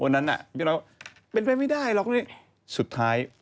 วันนั้นพี่เราใก่เป็นไปไม่ได้เรา